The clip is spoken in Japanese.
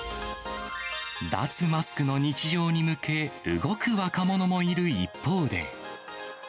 脱マスクの日常に向け、動く若者もいる一方で。